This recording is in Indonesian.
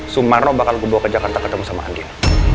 sumarno bakal gue bawa ke jakarta ketemu sama andin